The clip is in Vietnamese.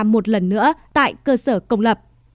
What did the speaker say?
một lần nữa tại cơ sở công lập